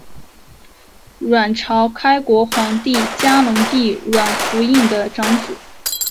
阮朝开国皇帝嘉隆帝阮福映的长子。